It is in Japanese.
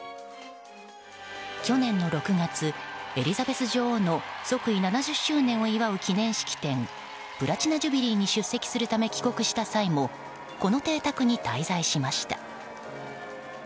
去年の６月、エリザベス女王の即位７０周年を祝う記念式典プラチナ・ジュビリーに出席するため帰国した際もこの邸宅に滞在しました。